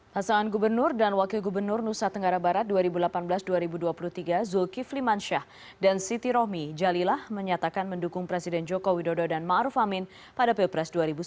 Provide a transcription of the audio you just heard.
pasangan gubernur dan wakil gubernur nusa tenggara barat dua ribu delapan belas dua ribu dua puluh tiga zulkifli mansyah dan siti rohmi jalilah menyatakan mendukung presiden joko widodo dan ⁇ maruf ⁇ amin pada pilpres dua ribu sembilan belas